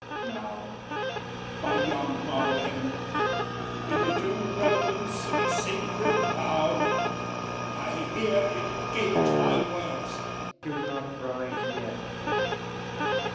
Now by yond marble heaven, In the due reverence of a sacred vow [Kneels.] I here engage my words. IAGO. Do not rise yet.